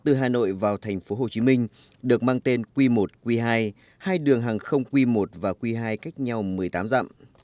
từ hà nội vào thành phố hồ chí minh được mang tên q một q hai hai đường hàng không q một và q hai cách nhau một mươi tám dặm